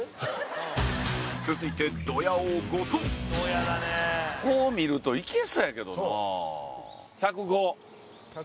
続いて、ドヤ王、後藤こう見ると、いけそうやけどな。